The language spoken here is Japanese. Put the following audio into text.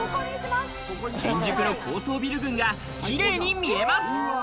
新宿の高層ビル群が綺麗に見えます。